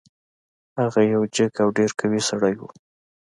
هغه یو جګ او ډیر قوي سړی و.